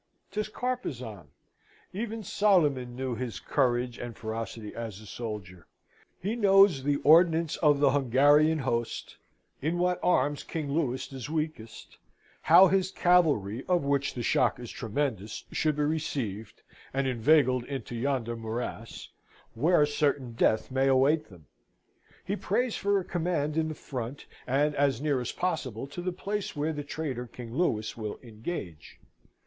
'Tis Carpezan. Even Solyman knew his courage and ferocity as a soldier. He knows; the ordnance of the Hungarian host; in what arms King Louis is weakest: how his cavalry, of which the shock is tremendous, should be received, and inveigled into yonder morass, where certain death may await them he prays for a command in the front, and as near as possible to the place where the traitor King Louis will engage.